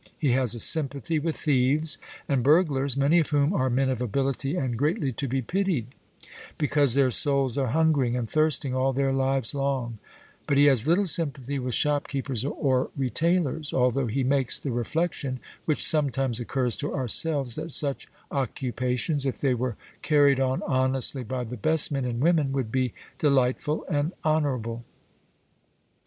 He has a sympathy with thieves and burglars, 'many of whom are men of ability and greatly to be pitied, because their souls are hungering and thirsting all their lives long;' but he has little sympathy with shopkeepers or retailers, although he makes the reflection, which sometimes occurs to ourselves, that such occupations, if they were carried on honestly by the best men and women, would be delightful and honourable.